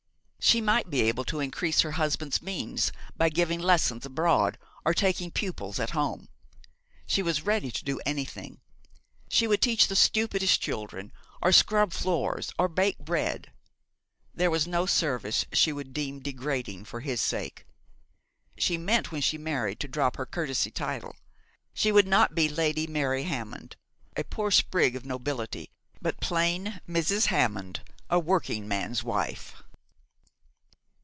She might be able to increase her husband's means by giving lessons abroad, or taking pupils at home. She was ready to do anything. She would teach the stupidest children, or scrub floors, or bake bread. There was no service she would deem degrading for his sake. She meant when she married to drop her courtesy title. She would not be Lady Mary Hammond, a poor sprig of nobility, but plain Mrs. Hammond, a working man's wife.